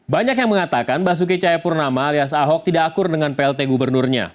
banyak yang mengatakan basuki cayapurnama alias ahok tidak akur dengan plt gubernurnya